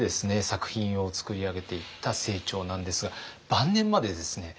作品を作り上げていった清張なんですが晩年までですね